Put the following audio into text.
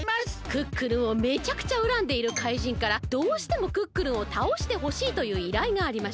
クックルンをめちゃくちゃうらんでいる怪人からどうしてもクックルンをたおしてほしいといういらいがありました。